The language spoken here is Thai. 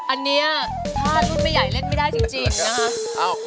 อันนี้ถ้ารุ่นไม่ใหญ่เล่นไม่ได้จริงนะคะ